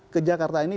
ke jakarta ini